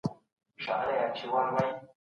ریښتینولي باور پیدا کوي.